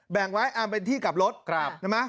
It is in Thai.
แบ่งไว้เป็นที่กลับรถนะไหม